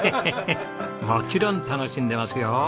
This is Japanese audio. もちろん楽しんでますよ。